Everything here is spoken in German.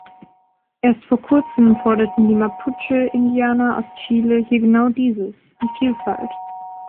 Erst vor kurzem forderten die Mapuche-Indianer aus Chile hier genau dieses, die Vielfalt.